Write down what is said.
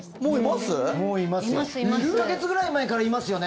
１か月ぐらい前からいますよね。